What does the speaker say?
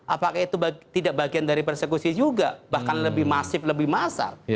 apakah itu tidak bagian dari persekusi juga bahkan lebih masif lebih masal